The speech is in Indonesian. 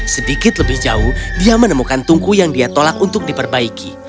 sedikit lebih jauh dia menemukan tungku yang dia tolak untuk diperbaiki